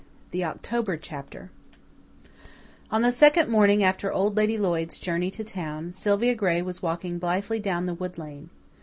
The October Chapter On the second morning after Old Lady Lloyd's journey to town, Sylvia Gray was walking blithely down the wood lane.